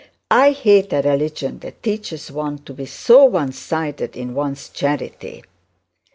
I hate a religion that teaches one to be so onesided to one's charity.'